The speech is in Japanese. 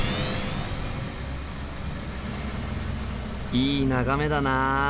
いい眺めだな！